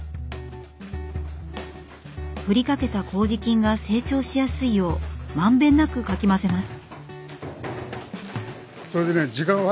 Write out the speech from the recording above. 振りかけたこうじ菌が成長しやすいよう満遍なくかき混ぜます。